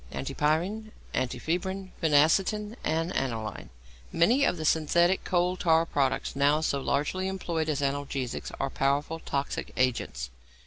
ANTIPYRINE, ANTIFEBRIN, PHENACETIN, AND ANILINE Many of the synthetical coal tar products now so largely employed as analgesics are powerful toxic agents.